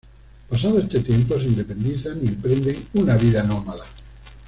Pasado este tiempo, se independizan y emprenden una vida nómada.